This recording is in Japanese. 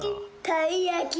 たいやき。